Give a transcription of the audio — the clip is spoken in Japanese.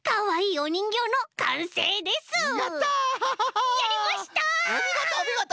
おみごとおみごと！